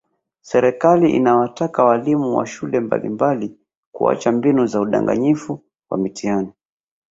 Serikali inawataka walimu wa shule mbalimbali kuacha mbinu za udanganyifu wa mitihani